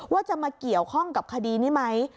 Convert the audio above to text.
ว่าจะมาเกี่ยวข้องกับคดีนี้ไหม